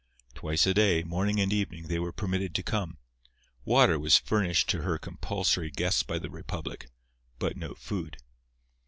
Twice a day—morning and evening—they were permitted to come. Water was furnished to her compulsory guests by the republic, but no food.